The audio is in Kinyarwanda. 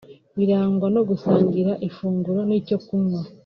birangwa no gusangira ifunguro n’icyo kunywa